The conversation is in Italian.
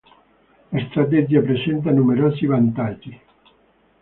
La strategia presenta numerosi vantaggi.